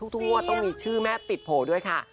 ทุกงวดต้องมีชื่อแม่ติดโผล่ด้วยค่ะ